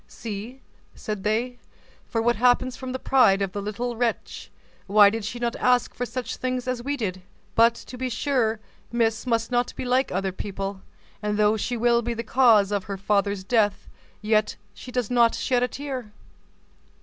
"See," said they, "what happens from the pride of the little wretch; why did not she ask for such things as we did? But, to be sure, Miss must not be like other people; and though she will be the cause of her father's death, yet she does not shed a tear."